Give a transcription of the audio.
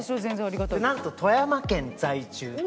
なんと富山県在住。